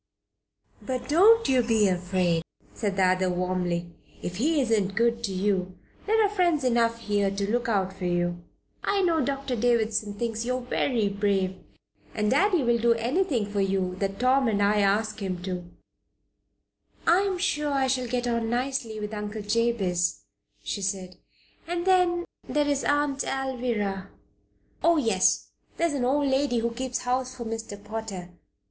"But don't you be afraid," said the other, warmly. "If he isn't good to you there are friends enough here to look out for you. I know Doctor Davison thinks you are very brave, and Daddy will do anything for you that Tom and I ask him to." "I am quite sure I shall get on nicely with Uncle Jabez," she said. "And then, there is Aunt Alvirah." "Oh, yes. There is an old lady who keeps house for Mr. Potter.